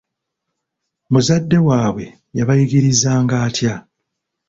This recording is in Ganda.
Muzadde waabwe yabayigirizanga atya?